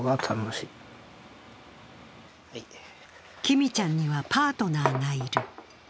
きみちゃんにはパートナーがいる。